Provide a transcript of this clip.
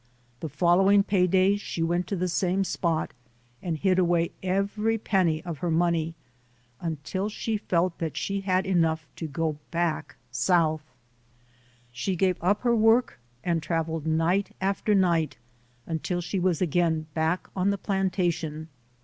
The following pay days she went to the same spot and hid away every penny of her money until she felt that she had enough to go back South. She gave up her work and traveled night after night until she was again back on the plantation.